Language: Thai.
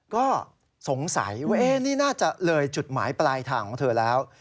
ก็สงสัยว่านี่น่าจะเลยจุดหมายปลายทางของเธอแล้ว